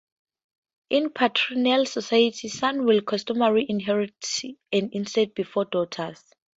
In patrilineal societies, sons will customarily inherit an estate before daughters.